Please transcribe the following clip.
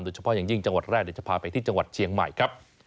โดยเฉพาะอย่างยิ่งจังหวัดแรกเดี๋ยวจะพาไปที่จังหวัดเชียงใหม่ครับ